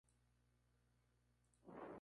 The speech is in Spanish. Este proceso, durante el cual Mark St.